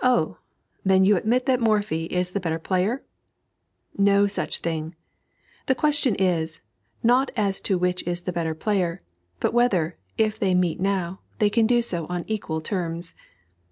"Oh! then you admit that Morphy is the better player?" No such thing. The question is, not as to which is the better player, but whether, if they meet now, they can do so on equal terms.